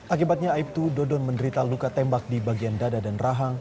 akibatnya aibtu dodon menderita luka tembak di bagian dada dan rahang